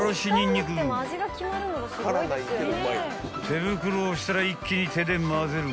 ［手袋をしたら一気に手で混ぜる］